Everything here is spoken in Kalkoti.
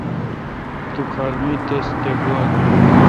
تو کھال مے°تس تہ گوا دون۔